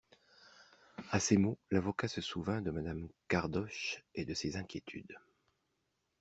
A ces mots, l'avocat se souvint de madame Cardoche et de ses inquiétudes.